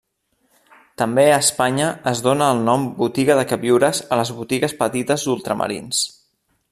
També a Espanya es dóna el nom botiga de queviures a les botigues petites d'ultramarins.